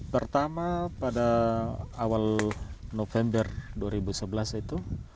pertama pada awal november dua ribu sebelas itu